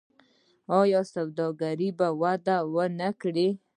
آیا سوداګري به وده ونه کړي؟